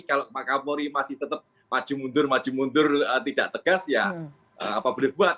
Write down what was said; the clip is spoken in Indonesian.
kalau pak kapolri masih tetap maju mundur maju mundur tidak tegas ya apa boleh buat